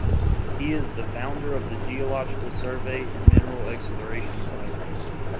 He is the founder of the Geological Survey and Mineral Exploration of Iran.